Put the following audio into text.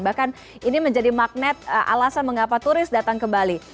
bahkan ini menjadi magnet alasan mengapa turis datang ke bali